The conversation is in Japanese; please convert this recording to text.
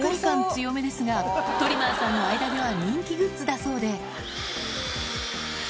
強めですが、トリマーさんの間では人気グッズだそうで。